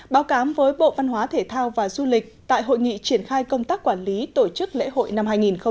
báo cáo với bộ văn hóa thể thao và du lịch tại hội nghị triển khai công tác quản lý tổ chức lễ hội năm hai nghìn một mươi chín